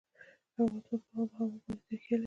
افغانستان په آب وهوا باندې تکیه لري.